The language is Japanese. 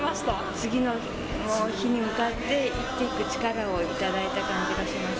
次の日に向かって生きていく力を頂いた感じがします。